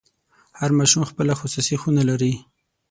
هر ماشوم خپله خصوصي خونه لري.